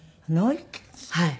はい。